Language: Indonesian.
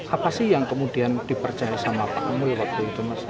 apa sih yang kemudian dipercaya sama pak mul waktu itu mas